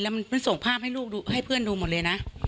แล้วมันส่งภาพให้เพื่อนดูหมดเลยนะ